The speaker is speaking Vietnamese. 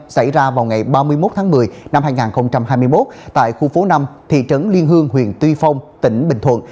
xảy ra vào ngày ba mươi một tháng một mươi năm hai nghìn hai mươi một tại khu phố năm thị trấn liên hương huyện tuy phong tỉnh bình thuận